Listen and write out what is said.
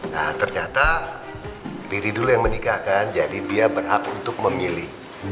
nah ternyata diri dulu yang menikahkan jadi dia berhak untuk memilih